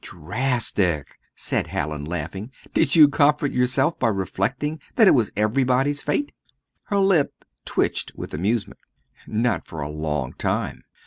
"Drastic!" said Hallin, laughing; "did you comfort yourself by reflecting that it was everybody's fate?" Her lip twitched with amusement. "Not for a long time.